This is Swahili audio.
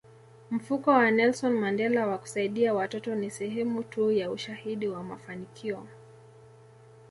Mfuko wa Nelson Mandela wa kusaidia watoto ni sehemu tu ya ushahidi wa mafanikio